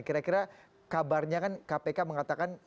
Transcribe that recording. kira kira kabarnya kan kpk mengatakan